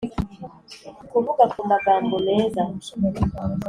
kuvuga kumagambo meza